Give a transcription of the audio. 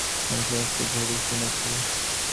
আমি সমস্ত ঘড়ি শুনেছি।